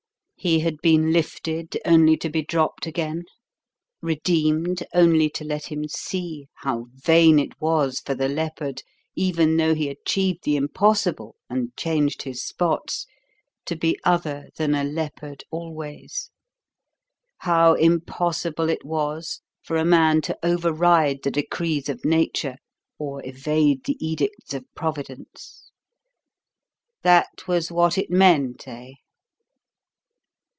He had been lifted only to be dropped again, redeemed only to let him see how vain it was for the leopard, even though he achieved the impossible and changed his spots, to be other than a leopard always; how impossible it was for a man to override the decrees of Nature or evade the edicts of Providence? That was what it meant, eh?